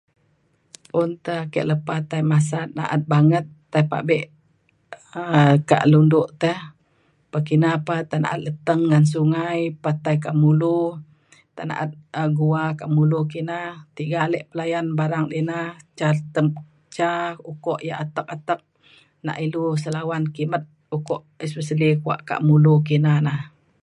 Un ta ake lepa tai masat naat banget tai pa'be ka Lundu teh pekina pa tai naat leteng ngan sungai pa tai kak Mulu tai naat gua ka Mulu kina. Tiga alek pa layan yak barang da ina ca teng ca ukok atek atek na ilu selawan kimet an kimet ukok especially kuak ka Mulu kina nah.